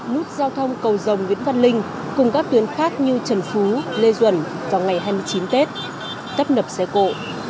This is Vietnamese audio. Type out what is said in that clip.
lút giao thông cầu dòng nguyễn văn linh cùng các tuyến khác như trần phú lê duẩn vào ngày hai mươi chín tết tấp nập xe cổ